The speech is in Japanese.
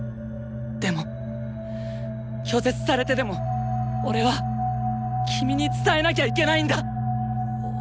でも拒絶されてでも俺は君に伝えなきゃいけないんだ！